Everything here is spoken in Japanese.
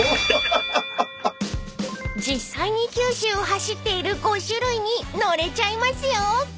［実際に九州を走っている５種類に乗れちゃいますよ］